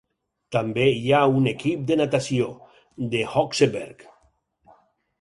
També hi ha un equip de natació: De Hokseberg.